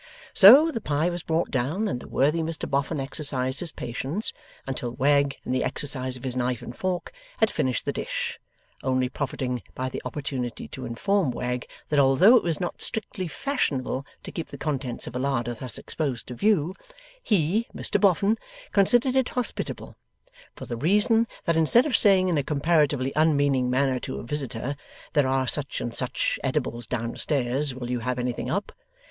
So, the pie was brought down, and the worthy Mr Boffin exercised his patience until Wegg, in the exercise of his knife and fork, had finished the dish: only profiting by the opportunity to inform Wegg that although it was not strictly Fashionable to keep the contents of a larder thus exposed to view, he (Mr Boffin) considered it hospitable; for the reason, that instead of saying, in a comparatively unmeaning manner, to a visitor, 'There are such and such edibles down stairs; will you have anything up?